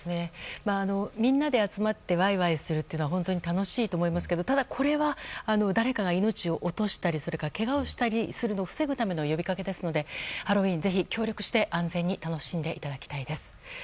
みんなで集まってワイワイするのは本当に楽しいと思いますがこれは誰かが命を落としたりけがをしたりするのを防ぐための呼びかけですのでハロウィーン、ぜひ協力して安全に楽しんでいただきたいです。